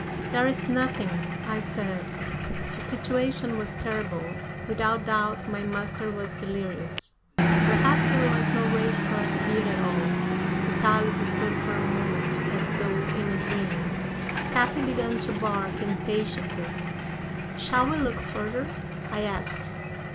"There is nothing," I said. The situation was terrible. Without doubt my master was delirious. Perhaps there was no race course here at all! Vitalis stood for a moment as though in a dream. Capi began to bark impatiently. "Shall we look further?" I asked.